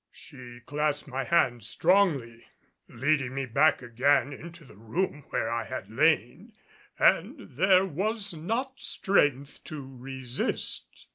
She clasped my hand strongly, leading me back again into the room where I had lain. And there was not strength to resist.